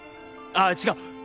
ああ違う！